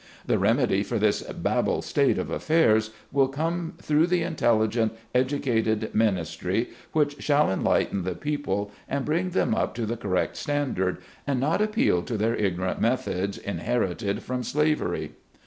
The remedy for this babel state of affairs will come through the intelligent, educated ministry, which shall enlighten the people, and bring them up to the correct stand ard, and not appeal to their ignorant methods inher ited from slavery.